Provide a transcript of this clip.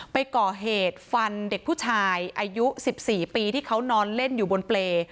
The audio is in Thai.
ไปก่อเหตุฟันเด็กผู้ชายอายุ๑๔ปีที่เขานอนเล่นอยู่บนเปรย์